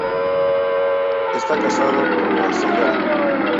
Esta casado con la Sra.